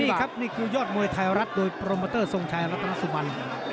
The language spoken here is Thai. นี่ครับนี่คือยอดมวยไทยรัฐโดยโปรโมเตอร์ทรงชัยรัตนสุบัน